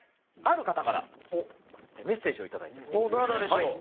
ある方からメッセージをいただいてます。